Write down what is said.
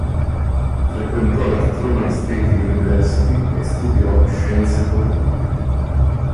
Frequentò la Truman State University e studiò scienze politiche.